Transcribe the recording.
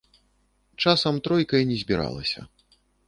Часам тройка і не збіралася.